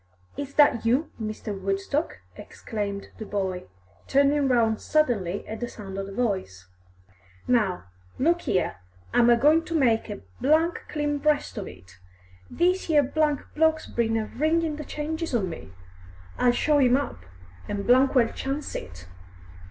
"Is that you, Mr. Woodstock?" exclaimed the boy, turning round suddenly at the sound of the voice. "Now, look 'ere, I'm a goin' to make a clean breast of it. This 'ere bloke's been a ringin' the changes on me; I'll show him up, an' well chance it.